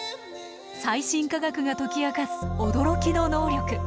最新科学が解き明かす驚きの能力。